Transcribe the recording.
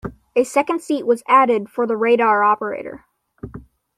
A second seat was added for the radar operator.